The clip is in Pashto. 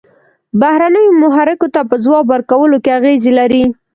بهرنیو محرکو ته په ځواب ورکولو کې اغیزې لري.